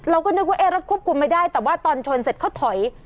เราก็นึกว่ารถควบคุมไม่ได้แต่ว่าตอนชนเสร็จเขาถอย